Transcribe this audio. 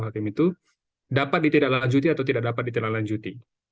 hakim itu dapat ditidaklanjuti atau tidak dapat ditidaklanjuti